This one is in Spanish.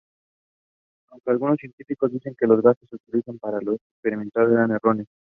Aunque algunos científicos dicen que los gases que utilizó para este experimento eran erróneos.